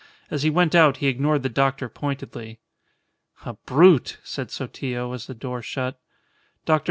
As he went out he ignored the doctor pointedly. "A brute!" said Sotillo, as the door shut. Dr.